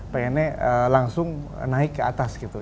pengennya langsung naik ke atas gitu